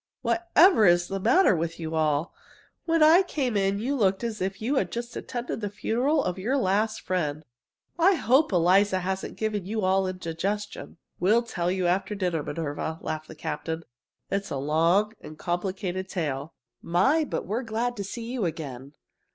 Whatever is the matter with you all? When I came in you looked as if you'd just attended the funeral of your last friend. I hope Eliza hasn't given you all indigestion!" "We'll tell you after dinner, Minerva," laughed the captain. "It's a long and complicated tale. My, but we're glad to see you again!"